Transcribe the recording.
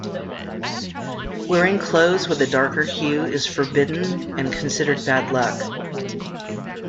Wearing clothes with a darker hue is forbidden and considered bad luck.